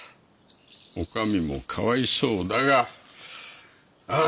おかみもかわいそうだがああ